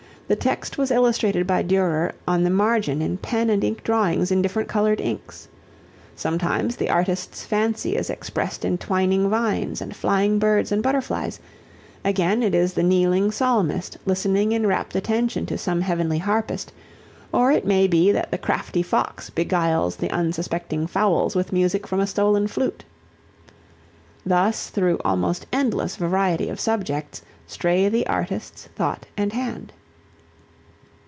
The text was illustrated by Durer on the margin in pen and ink drawings in different colored inks. Sometimes the artist's fancy is expressed in twining vines and flying birds and butterflies, again it is the kneeling Psalmist listening in rapt attention to some heavenly harpist, or it may be that the crafty fox beguiles the unsuspecting fowls with music from a stolen flute. Thus through almost endless variety of subjects stray the artist's thought and hand.